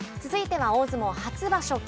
続いては大相撲初場所。